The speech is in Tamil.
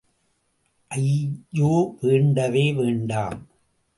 ஐயோ, வேண்டவே வேண்டாம்.